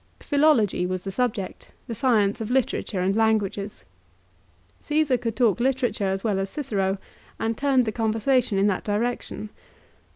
Philology was the subject ; the science of literature and languages. Caesar could talk literature as well as Cicero, and turned the conversation in that direction.